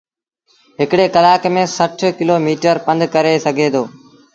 هڪڙي ڪلآڪ ميݩ سٺ ڪلو ميٚٽر پنڌ ڪري سگھي دو۔